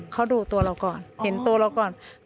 เขาดูตัวเราก่อนเห็นตัวเราก่อน